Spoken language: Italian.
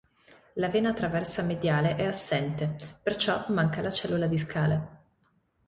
La vena trasversa mediale è assente, perciò manca la cellula discale.